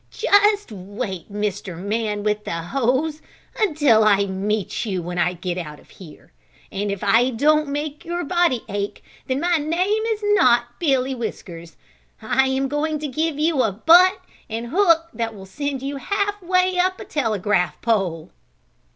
"Just wait, Mr. Man with the hose, until I meet you when I get out of here, and if I don't make your body ache, then my name is not Billy Whiskers. I am going to give you a butt and hook that will send you half way up a telegraph pole!"